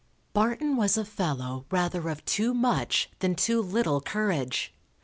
Barton was a fellow rather of too much than too little courage.